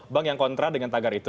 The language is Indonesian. bank yang kontra dengan tagar itu